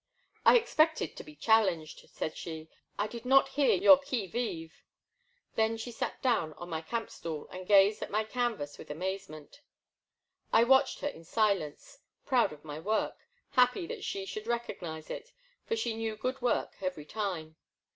'* I expected to be challenged," said she ;I did not hear your qui vive." Then she sat down on my camp stool and gazed at my canvas with amazement. I watched her in silence, proud of my work, happy that she should recognize it, for she knew good work every time.